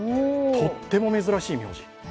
とっても珍しい名字。